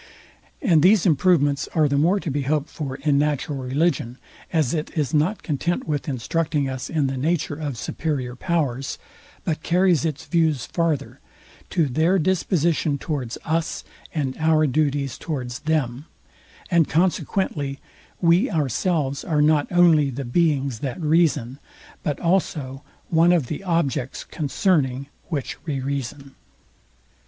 And these improvements are the more to be hoped for in natural religion, as it is not content with instructing us in the nature of superior powers, but carries its views farther, to their disposition towards us, and our duties towards them; and consequently we ourselves are not only the beings, that reason, but also one of the objects, concerning which we reason.